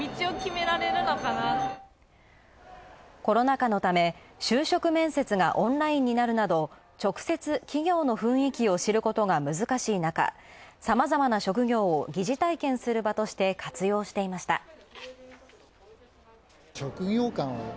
コロナ禍のため就職面接がオンラインになるなど直接、企業の雰囲気を知ることが難しいなかさまざまな職業を疑似体験する場として活用していました。